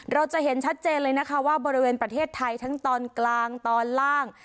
เราจะเห็นชัดเจนเลยนะคะว่าบริเวณประเทศไทยทั้งตอนกลางตอนล่าง